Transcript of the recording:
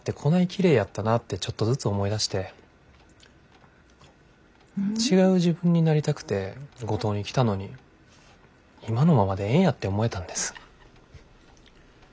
きれいやったなってちょっとずつ思い出して違う自分になりたくて五島に来たのに今のままでええんやって思えたんです。